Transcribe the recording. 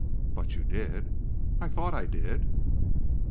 "But you did." "I thought I did."